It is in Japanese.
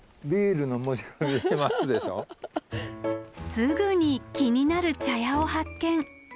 すぐに気になる茶屋を発見。